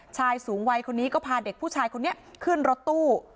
ชายสูงวัยคนนี้ก็พาเด็กผู้ชายคนนี้ขึ้นรถตู้